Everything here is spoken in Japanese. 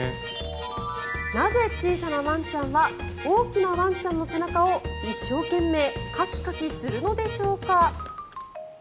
なぜ、小さなワンちゃんは大きなワンちゃんの背中を一生懸命カキカキするのでしょうか。